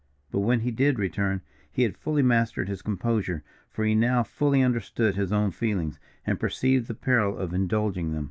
But when he did return, he had fully mastered his composure, for he now fully understood his own feelings, and perceived the peril of indulging them.